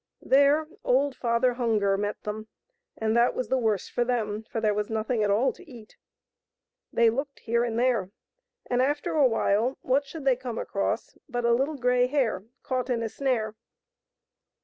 There old Father Hunger met them, and that was the worse for them, for there was nothing at all to eat. They looked here and there, and, after a while, what should they come across but a little grey hare caught in a snare.